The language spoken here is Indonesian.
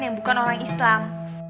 yang bukan orang islam